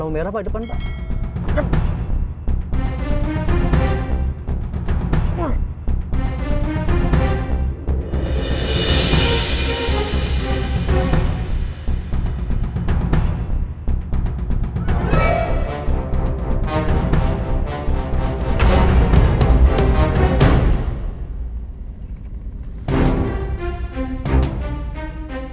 maaf pak kalau merah pak itu penuh